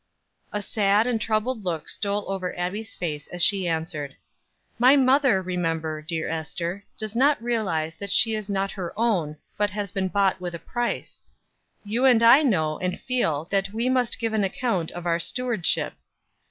A sad and troubled look stole over Abbie's face as she answered: "My mother, remember, dear Ester, does not realize that she is not her own, but has been bought with a price. You and I know and feel that we must give an account of our stewardship.